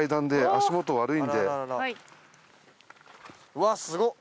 うわっすごっ！